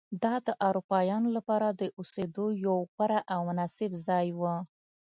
دا د اروپایانو لپاره د اوسېدو یو غوره او مناسب ځای و.